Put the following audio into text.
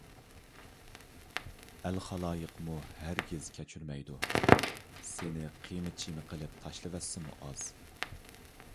ئەل - خالايىقمۇ ھەرگىز كەچۈرمەيدۇ! سېنى قىيما - چىيما قىلىپ تاشلىسىمۇ ئاز!